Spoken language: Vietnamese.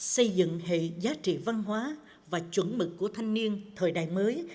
xây dựng hệ giá trị văn hóa và chuẩn mực của thanh niên thời đại mới